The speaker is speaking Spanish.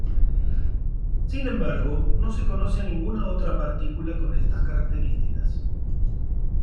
Sin embargo, no se conoce ninguna otra partícula con estas características.